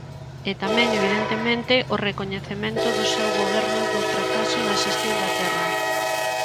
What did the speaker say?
E tamén, evidentemente, o recoñecemento do seu goberno do fracaso na xestión da terra.